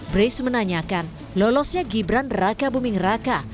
brace menanyakan lolosnya gibran raka buming raka